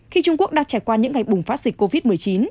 khi trung quốc đang trải qua những ngày bùng phát dịch covid một mươi chín